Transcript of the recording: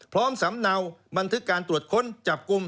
สำเนาบันทึกการตรวจค้นจับกลุ่ม